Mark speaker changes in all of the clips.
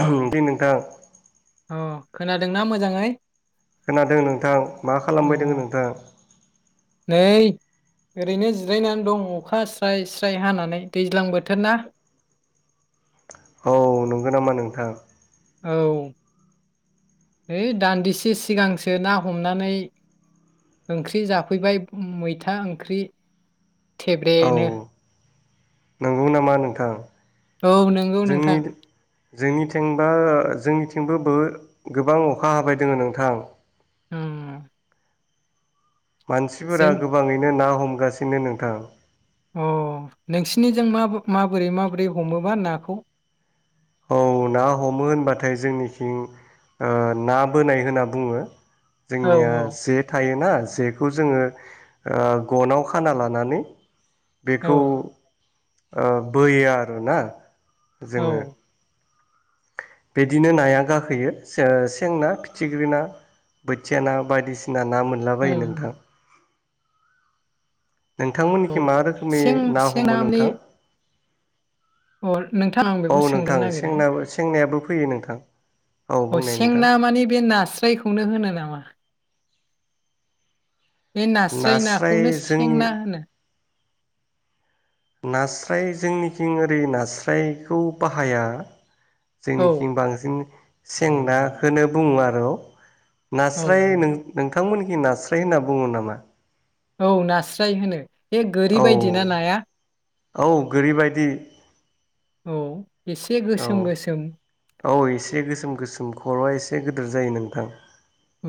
Speaker 1: औ दे नोंथां
Speaker 2: अ खोनादोंना मोजाङै?
Speaker 1: खोनादों नोंथां, मा खालामबाय दों
Speaker 2: अ
Speaker 1: नोंथां?
Speaker 2: नै ओरैनो जिरायनानै दं अखा स्राय स्राय हानानै दैज्लां बोथोर ना।
Speaker 1: औ नंगौ नामा नोंथां?
Speaker 2: औ है दान्दिसे सिगांसो ना हमनानै ओंख्रि जाफैबाय मैथा ओंख्रि।
Speaker 1: औ
Speaker 2: थेब्रेनो
Speaker 1: नंगौ नामा नोंथां?
Speaker 2: औ नंगौ
Speaker 1: जोंनि
Speaker 2: नोंथां
Speaker 1: जोंनिथिंबा जोंनिथिंबो बो गोबां अखा हाबाय दोङो नोंथां
Speaker 2: होम
Speaker 1: मानसिफोरा गोबाङैनो ना हम हमगासिनो नोंथां
Speaker 2: अ नोंसिनिजों माबो-माबोरै माबोरै हमोबा नाखौ?
Speaker 1: औ ना हमो होनबाथाय जोंनिथिं ओ ना बोनाय होनना बुङो।
Speaker 2: औ
Speaker 1: जोंनिया
Speaker 2: औ
Speaker 1: जे थायोना जेखौ जोङो ओ गनाव खाना लानानै बेखौ
Speaker 2: औ
Speaker 1: ओ बोयो आरो ना जोङो
Speaker 2: औ
Speaker 1: बिदिनो नाया गाखोयो सें ना फिथिख्रि ना बोथिया ना बायदिसि ना ना मोनलाबायो
Speaker 2: उम
Speaker 1: नोंथां। नोंथांमोननिखि मा रोखोमनि
Speaker 2: सें
Speaker 1: ना
Speaker 2: सें
Speaker 1: हमो
Speaker 2: माने
Speaker 1: नोंथां
Speaker 2: अ नोंथां आं बेखौ
Speaker 1: औ
Speaker 2: सोंगोन
Speaker 1: नोंथां सेंना सेंनायाबो फैयो नोंथां औ
Speaker 2: नागिरदों अ
Speaker 1: बुंनाय नोंथां
Speaker 2: सेंना मानि बे नास्रायखौनो होनो नामा? बे नास्राय नाखौनो सें ना होनो।
Speaker 1: नास्राय जोंनिथिं ओरै नास्रायखौ बाहाया
Speaker 2: औ
Speaker 1: जोंनिथिं बांसिन सें नाखौनो बुङो आरो
Speaker 2: औ
Speaker 1: नास्राय नों नो नोंथांमोनखि नास्राय होनना बुङो नामा?
Speaker 2: औ नास्राय होनो। बे गोरि बायदि ना नाया।
Speaker 1: औ औ गोरैबायदि।
Speaker 2: औ एसे
Speaker 1: औ
Speaker 2: गोसोम गोसोम
Speaker 1: औ एसे गोसोम गोसोम खरआ एसे एसे गिदिर जायो नोंथां।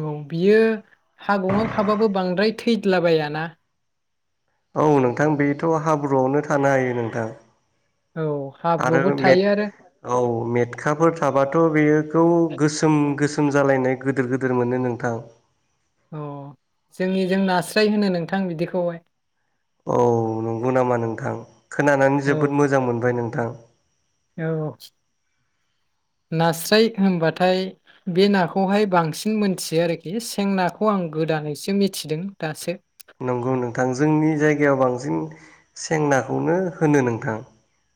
Speaker 2: औ बियो हागंआव थाबाबो बांद्राय थैलाबायाना।
Speaker 1: औ नोंथां बेथ' हाब्रुआवनो थानो हायो नोंथां।
Speaker 2: औ
Speaker 1: आरो
Speaker 2: हाब्रुआवबो
Speaker 1: मेट
Speaker 2: थायो आरो
Speaker 1: औ मेटखाफोर थाबाथ' बेयोखौ गोसोम गोसोम जालायनाय गिदिर गिदिर मोनो नोंथां।
Speaker 2: अह जोंनि जों नास्राय होनो नोंथां बिदिखौहाय।
Speaker 1: औ नंगौ नामा नोंथां खोनानानै
Speaker 2: औ
Speaker 1: जोबोद मोजां मोनबाय नों थां।
Speaker 2: औ नास्राय होनबाथाय बे नाखौहाय बांसिन मोनथियो आरोखि सें नाखौ आं गोदानैसो मिथिदों दासो।
Speaker 1: नंगौ नोंथां जोंनि जायगायाव बांसिन सें नाखौनो होनो नोंथां।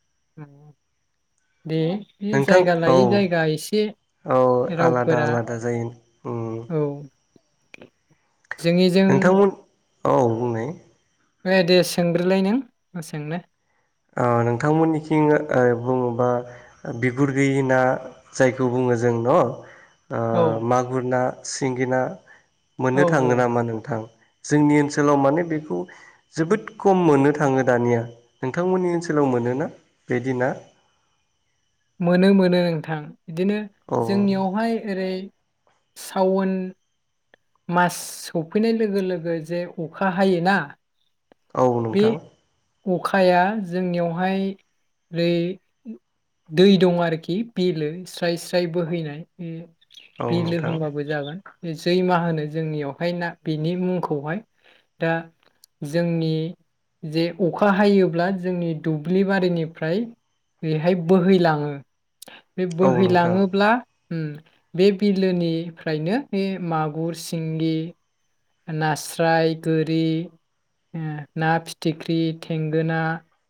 Speaker 2: [inaudible] दे बे
Speaker 1: नोंथां
Speaker 2: जायगा
Speaker 1: औ
Speaker 2: लायै जायगा एसे
Speaker 1: औ आलादा
Speaker 2: रावफोरा
Speaker 1: आलादा जायो उम
Speaker 2: औ। [inaudible] जोंनिजों
Speaker 1: नोंथांमोन औ बुंनाय।
Speaker 2: ए दे सोंग्रोलाय नों मा सोंनो।
Speaker 1: ओ नोंथांमोननिथिं बुङोबा बिगुर गैयि ना जायखौ बुङो जों न' ओ
Speaker 2: औ
Speaker 1: मागुर ना सिंगि ना
Speaker 2: औ
Speaker 1: मोननो थाङो नामा नोंथां? जोंनि ओनसोलाव माने बेखौ जोबोद खम मोननो थाङो दानिया। नोंथांमोननि ओनसोलाव मोनोना बिदि ना?
Speaker 2: मोनो मोनो नोंथां। बिदिनो
Speaker 1: औ
Speaker 2: जोंनियावहाय ओरै सावन मास सफैनाय लोगो लोगो जे अखा हायोना
Speaker 1: औ नोंथां।
Speaker 2: खाया जोंनियावहाय ओरै दै दं आरोखि बिलो स्राय स्राय बोहैनाय बे
Speaker 1: औ
Speaker 2: बिलो
Speaker 1: नोंथां
Speaker 2: होनबाबो जागोन जैमा होनो जोंनियावहाय ना बेनि मुंखौहाय दा जोंनि जे अखा हायोब्ला जोंनि दुब्लि बारिनिफ्राय बेहाय बोहैलाङो। बे
Speaker 1: औ नोंथां
Speaker 2: बोहैलाङोब्ला उम बे बिलोनिफ्रायनो बे मागुर, सिंगि, नास्राय, गोरि, ना फिथिख्रि, थेंगोना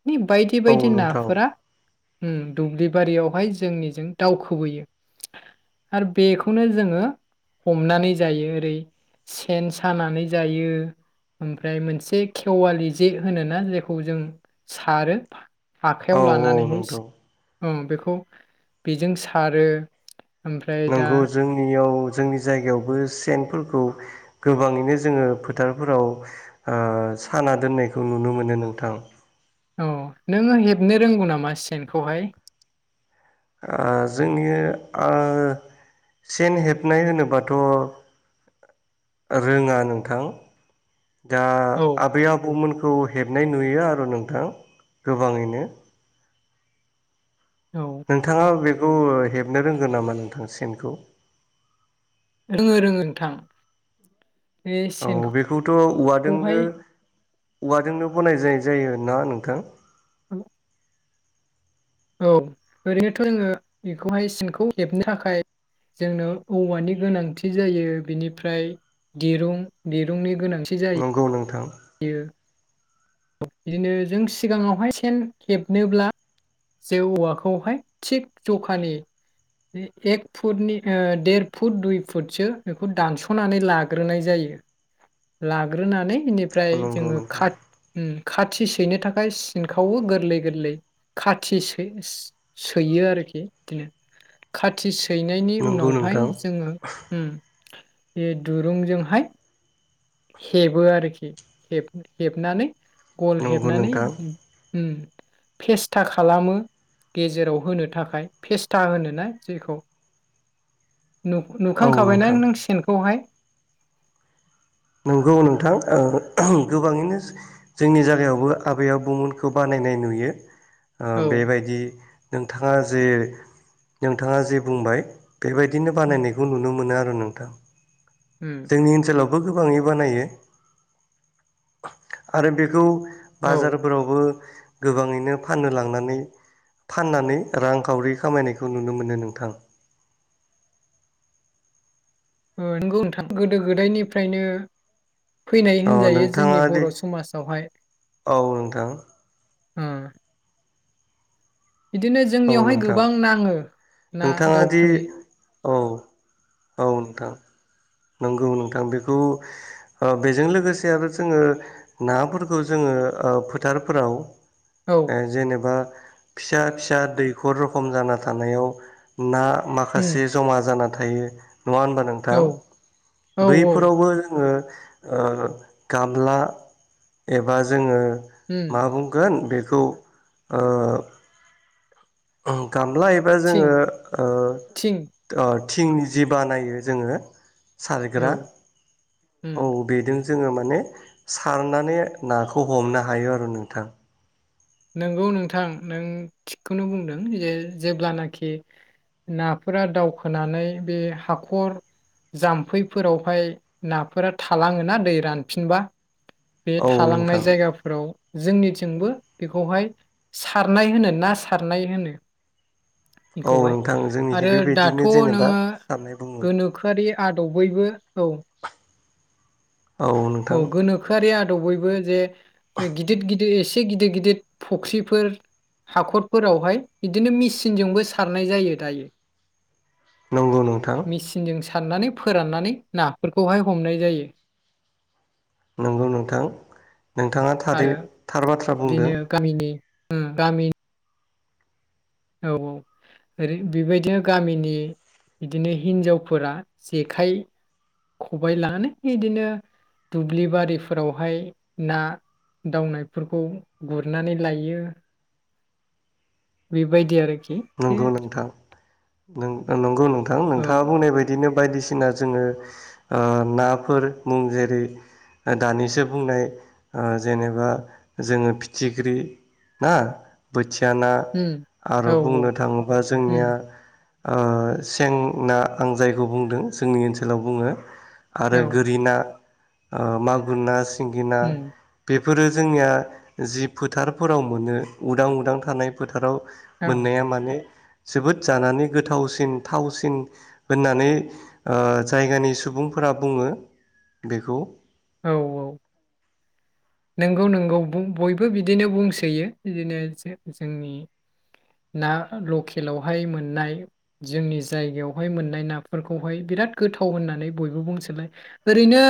Speaker 2: नि बायदि
Speaker 1: औ
Speaker 2: बायदि
Speaker 1: नोंथां
Speaker 2: नाफोरा उम दुब्लि बारियावहाय जोंनिजों दावखोबोयो आरो बेखौनो जोङो हमनानै जायो ओरै सेन सानानै जायो ओमफ्राय मोनसे खेवालि जे होनोना जेखौ जों सारो
Speaker 1: औ
Speaker 2: आखायाव
Speaker 1: औ
Speaker 2: लानानैहाय
Speaker 1: नोंथौ
Speaker 2: उम बेखौ बेजों सारो। ओमफ्राय दा
Speaker 1: नंगौ जोंनियाव जोंनि जायगायावबो सेनफोरखौ गोबाङैनो जोङो फोथारफोराव ओ साना दोननायखौ नुनो मोनो नोंथां।
Speaker 2: अह नोङो हेबनो रोंगौ नामा सेनखौहाय?
Speaker 1: ओ जोंनि ओ सेन हेबनाय होनोबाथ' रोङा नोंथां। दा
Speaker 2: औ
Speaker 1: आबै आबौमोन खौ हेबनाय नुयो आरो नोंथां गोबाङैनो
Speaker 2: औ
Speaker 1: नोंथाङा बे खौ हेबनो रोंगोन नामा नोंथां सेनखौ
Speaker 2: रोङो रोङो नोंथां बे
Speaker 1: औ बेखौथ'
Speaker 2: सेनखौहाय
Speaker 1: औवाजोंनो औवाजोंनो बनाय जाय जायो ना नोंथां
Speaker 2: उम औ ओरैनोथ' जोङो बेखौहाय सिनखौ हेबनो थाखाय जोंनो औवानि गोनांथि जायो बेनिफ्राय दिरुं दिरुंनि
Speaker 1: नंगौ नोंथां
Speaker 2: यो बिदिनो जों सिगाङावहाय सेन हेबनोब्ला जे औवाखौहाय थिग जखानि एक फुटनि देर फुट दुइ फुटसो बेखौ दानस'नानै लाग्रोनाय जायो लाग्रोनानै ओमफ्राय
Speaker 1: नंगौ
Speaker 2: जोङो
Speaker 1: नोंथां
Speaker 2: काट खाथि सैनो थाखाय सिनखावो गोरलै गोरलै खाथि सै सैयो आरोखि बिदिनो खाथि हैनायनि
Speaker 1: नंगौ
Speaker 2: उनावहाय
Speaker 1: नोंथां
Speaker 2: जोङो उम बे दुरुंजोंहाय हेबो आरोखि हेब हेबनानै गल
Speaker 1: नंगौ
Speaker 2: हेबनानै
Speaker 1: नोंथां
Speaker 2: फेस्था खालामो गेजेराव होनो थाखाय फेस्था होनोना जेखौ
Speaker 1: औ
Speaker 2: नुखांखाबायना
Speaker 1: नोंथां
Speaker 2: नों सेनखौहाय
Speaker 1: नंगौ नोंथां गोबाङैनो जोंनि जायगायावबो आबै आबौमोनखौ बानायनाय नुयो ओ
Speaker 2: औ
Speaker 1: बेबायदि नोंथाङा जे नोंथाङा जे बुंबाय बेबायदिनो
Speaker 2: उम
Speaker 1: बानायनायखौ नुनो मोनो आरो नोंथां
Speaker 2: उम
Speaker 1: जोंनि ओनसोलाव गोबाङै बानायो आरो बेखौ
Speaker 2: औ
Speaker 1: बाजारफोरावबो गोबाङैनो फाननो लांनानै फाननानै रांखावरि खामायनायखौ नुनो मोनो नोंथां
Speaker 2: नंगौ नोंथां गोदो गोदायनिफ्रायनो फैनाय
Speaker 1: औ
Speaker 2: होनजायो
Speaker 1: नोंथाङा
Speaker 2: जोंनि
Speaker 1: दि
Speaker 2: बर समाजावहाय
Speaker 1: औ नोंथां
Speaker 2: होम बिदिनो
Speaker 1: औ
Speaker 2: जोंनियावहाय
Speaker 1: नोंथां
Speaker 2: गोबां नाङो ना
Speaker 1: नोंथाङा दि
Speaker 2: दाउफोरनि
Speaker 1: औ औ नोंथां नंगौ नोंथां बेखौ बेजों लोगोसे आरो जोङो नाफोरखौ जोङो ओ फोथारफोराव
Speaker 2: औ
Speaker 1: जेनेबा फिसा फिसा दैखर रखम जाना थानायाव ना
Speaker 2: उम
Speaker 1: माखासे जमा जाना थायो। नङा होनबा नोंथां
Speaker 2: औ औ
Speaker 1: बैफोरावबो ओ ओ गामला एबा जोङो
Speaker 2: उम
Speaker 1: मा बुंगोन बे बेखौ ओ ओम गामला एबा जोङो
Speaker 2: थिं
Speaker 1: ओ
Speaker 2: थिं
Speaker 1: ओ थिंनि जि बानायो जोङो सारग्रा
Speaker 2: औ उम
Speaker 1: औ बेजों जोङो माने सारनानै नाखौ हमनो हायो आरो नोंथां
Speaker 2: नंगौ नोंथां नों थिगखौनो बुंदों जे जेब्लानाखि नाफोरा दावखोनानै बे हाखर जाम्फैफोरावहाय नाफोरा थालाङोना दै रानफिनबा बे
Speaker 1: औ
Speaker 2: थालांनाय
Speaker 1: नोंथां
Speaker 2: जायगाफोराव जोंनिथिंबो बेखौहाय सारनाय होनो ना सारनाय होनो
Speaker 1: औ
Speaker 2: बेखौहाय
Speaker 1: नोंथां जोंनिखि
Speaker 2: आरो दाथ'
Speaker 1: बेबायदिनो जेनेबा
Speaker 2: नोङो
Speaker 1: सारनाय बुङो
Speaker 2: गोनोखोआरि आदबैबो औ
Speaker 1: औ
Speaker 2: औ
Speaker 1: नोंथां
Speaker 2: गोनोखोआरि आ दबैबो जे गिदिर गिदिर एसे गिदिर गिदिर फुख्रिफोर हाखरफोरावहाय बिदिनो मेचनजोंबो सारनाय जायो दायो
Speaker 1: नंगौ नोंथां
Speaker 2: मेसिन जों स सारनानै फोराननानै नाफोरखौहाय हमनाय जायो
Speaker 1: नंगौ नोंथां नोंथाङा थारै
Speaker 2: आरो
Speaker 1: थार बाथ्रा बुंदों
Speaker 2: बिदिनो गामिनि गामि औ औ ओै बेबायदिनो गामिनि बिदिनो हिनजावफोरा जेखाइ खबाइ लानानै बिदिनो दुब्लि बारिफोरावहाय ना दावनायफोरखौ गुरनानै लायो बेबायदि आरोखि दे
Speaker 1: नंगौ नोंथां नंगौ नोंथां
Speaker 2: औ
Speaker 1: नोंथाङा बुंनाय बायदिनो बायदिसिना जोङो नाफोर मुं जेरै दानिसो बुंनाय जेनेबा जोङो फिथिख्रि ना बोथि याना
Speaker 2: उम औ
Speaker 1: आरो बुंनो थाङोबा जोंनिया
Speaker 2: उम
Speaker 1: ओ सेंना आं जायखौ बुंदों जोंनि ओनसोलाव बुङो
Speaker 2: औ
Speaker 1: आरो गोरिना मागुरना सिंगिना
Speaker 2: उम
Speaker 1: बे बेफोरो जोंनिया जि फोथारफोराव मोनो उदां उदां थानाय फोथाराव
Speaker 2: औ
Speaker 1: मोननाया माने जोबोद जानानै गोथावसिन थावसिन होननानै जायगानि ओ सुबुंफोरा बुङो बेखौ।
Speaker 2: औ औ। नोंगौ नोंगौ बयबो बिदिनो बुंसोयो बिदिनो जो जोंनि ना लकेलावहाय मोननाय जोंनि जायगायावहाय मोननाय नाफोरखौहाय बिराद गोथाव होननानै बयबो बुंसोलाय ओरैनो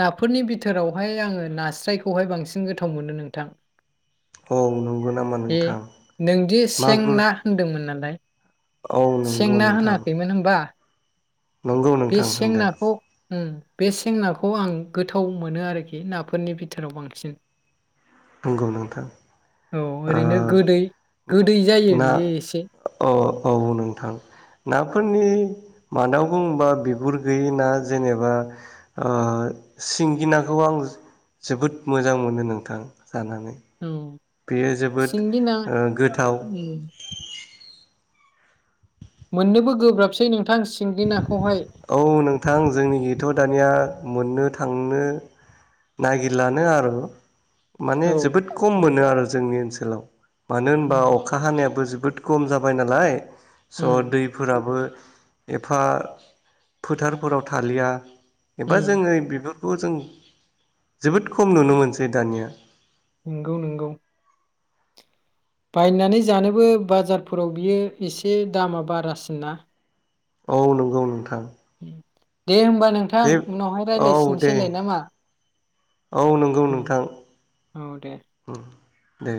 Speaker 2: नाफोरनि बिथोरावहाय आङो नास्राय खौहाय बांसिन गोथाव मोनो नोंथां।
Speaker 1: औ नंगौ नामा
Speaker 2: ए
Speaker 1: नोंथां
Speaker 2: नोंदि सें
Speaker 1: मागुर
Speaker 2: ना होनदोंमोन नालाय
Speaker 1: औ
Speaker 2: सें
Speaker 1: नंगौ
Speaker 2: ना
Speaker 1: नोंथां
Speaker 2: होनाखैमोन होमबा?
Speaker 1: नंगौ
Speaker 2: बे
Speaker 1: नोंथां
Speaker 2: सें
Speaker 1: होनदों
Speaker 2: नाखौ ओं। बे सें नाखौ आं गोथाव मोनो आरोखि नाफोरनि बिथोराव बांसिन।
Speaker 1: नंगौ नोंथां
Speaker 2: औ
Speaker 1: आ
Speaker 2: ओरैनो गोदै गोदै जायो
Speaker 1: ना
Speaker 2: बियो एसे
Speaker 1: औ औ नोंथां ना फोरनि मादाव बुङोबा बिगुर गैयि ना जेनेबा ओ सिंगि नाखौ आं जोबोद मोजां मोनो नोंथां। जानानै
Speaker 2: औ
Speaker 1: बेयो जोबोद
Speaker 2: सिंगि ना
Speaker 1: ओ गोथाव।
Speaker 2: उम मोननोबो गोब्राबसै नों
Speaker 1: औ नोंथां जोंनिखैथ' दानिया मोननो थां नो नागिरलानो आरो माने
Speaker 2: औ
Speaker 1: जोबोद खम मोनो आरो जोंनि ओनसोलाव। मानो होनबा
Speaker 2: उम
Speaker 1: अखा हानायाबो जो बोद खम जाबाय नालाय।
Speaker 2: उम
Speaker 1: स' दैफोराबो एफा फोथारफोराव थालिया। एबा
Speaker 2: उम
Speaker 1: जोङो बिबो बेखौ जों जोबोद खम नुनो मोनसै दानिया।
Speaker 2: नोंगौ नोंगौ। बायनानै जानोबो बाजारफोराव बियो एसे दामा बारासिन ना।
Speaker 1: औ नंगौ नोंथां।
Speaker 2: उम दे होमबा। नोंथां
Speaker 1: दे
Speaker 2: उनावहाय
Speaker 1: औ दे
Speaker 2: रायज्लायसिनसैलाय नामा
Speaker 1: औ नंगौ नोंथां
Speaker 2: औ दे
Speaker 1: उम दे।